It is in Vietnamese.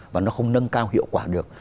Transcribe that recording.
và nó không nâng cao hiệu quả được